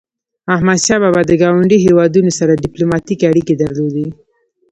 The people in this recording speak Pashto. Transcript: احمدشاه بابا د ګاونډیو هیوادونو سره ډیپلوماټيکي اړيکي درلودی.